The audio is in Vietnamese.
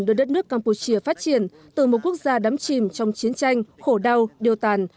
đưa đất nước campuchia phát triển từ một quốc gia đắm chìm trong chiến tranh khổ đau điều tàn